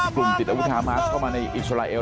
ติดอาวุธฮามาสเข้ามาในอิสราเอล